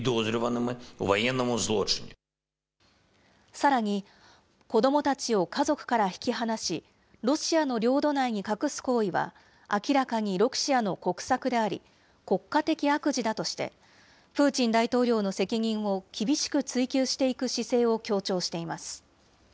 さらに、子どもたちを家族から引き離し、ロシアの領土内に隠す行為は、明らかにロシアの国策であり、国家的悪事だとして、プーチン大統領の責任を厳しく追及していく姿勢を強調しています。